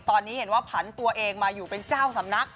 ตอนนี้เห็นว่าผันตัวเองมาอยู่เป็นเจ้าสำนัก